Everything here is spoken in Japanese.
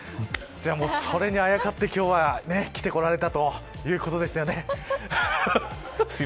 それにあやかって今日は着てこられた、ということですよね。